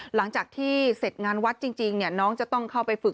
หลังจากที่เสร็จงานวัดจริง